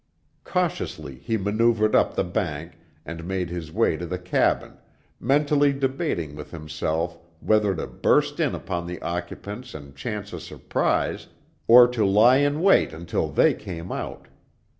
Cautiously he maneuvered up the bank, and made his way to the cabin, mentally debating with himself whether to burst in upon the occupants and chance a surprise, or to lie in wait till they came out.